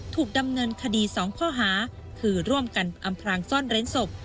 ถูกดำเนินคดี๒ข้อหาคือร่วมกันอำพลางซ่อนเร้นศพ